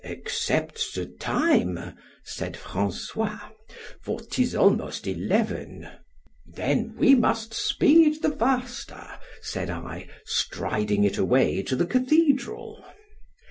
except the time, said François——for 'tis almost eleven—then we must speed the faster, said I, striding it away to the cathedral.